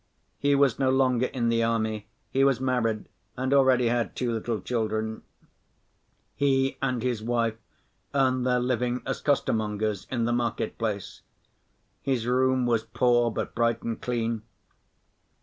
He was no longer in the army, he was married and already had two little children. He and his wife earned their living as costermongers in the market‐place. His room was poor, but bright and clean.